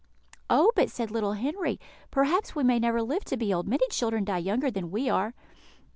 "Oh, but," said little Henry, "perhaps we may never live to be old; many children die younger than we are."